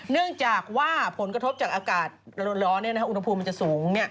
เนื่องจากว่าผลกระทบจากอากาศร้อนอุณหภูมิมันจะสูง